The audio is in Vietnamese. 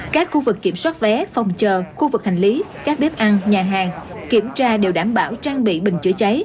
các khu vực kiểm soát vé phòng chờ khu vực hành lý các bếp ăn nhà hàng kiểm tra đều đảm bảo trang bị bình chữa cháy